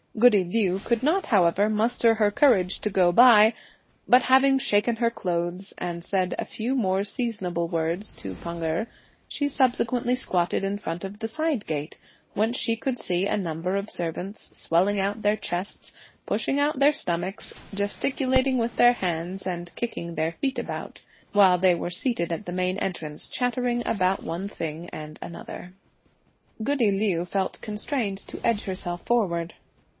Goody Liu could not however muster the courage to go by, but having shaken her clothes, and said a few more seasonable words to Pan Erh, she subsequently squatted in front of the side gate, whence she could see a number of servants, swelling out their chests, pushing out their stomachs, gesticulating with their hands and kicking their feet about, while they were seated at the main entrance chattering about one thing and another. Goody Liu felt constrained to edge herself forward.